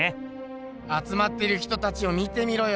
あつまってる人たちを見てみろよ。